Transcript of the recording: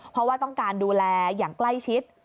เพราะว่าต้องการดูแลอย่างใกล้ชิด